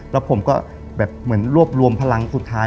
แล้วผมก็แบบเหมือนรวบรวมพลังสุดท้าย